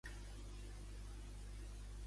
El Caiman vestia amb camisa?